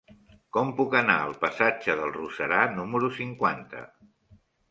Com puc anar al passatge del Roserar número cinquanta?